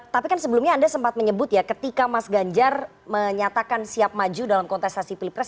tapi kan sebelumnya anda sempat menyebut ya ketika mas ganjar menyatakan siap maju dalam kontestasi pilpres